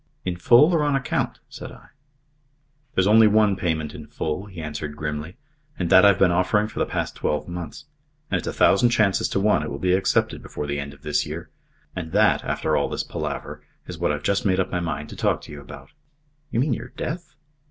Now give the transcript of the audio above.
"In full, or on account?" said I. "There's only one payment in full," he answered grimly, "and that I've been offering for the past twelve months. And it's a thousand chances to one it will be accepted before the end of this year. And that, after all this palaver, is what I've just made up my mind to talk to you about." "You mean your death?"